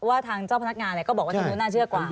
ทางเจ้าพนักงานก็บอกว่าทางนู้นน่าเชื่อกว่า